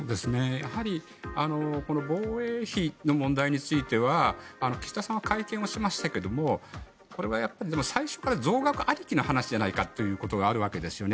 やはりこの防衛費の問題については岸田さんは会見はしましたがこれはやっぱり最初から増額ありきの話じゃないかということがあるわけですよね。